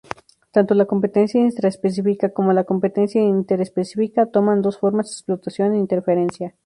Tanto la competencia intraespecífica como la competencia interespecífica toman dos formas: explotación e interferencia.